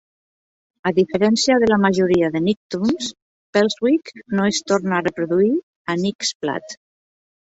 A diferència de la majoria de Nicktoons, "Pelswick" no es torna a reproduir a NickSplat.